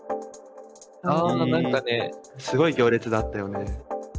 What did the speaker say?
あ何かねすごい行列だったよね。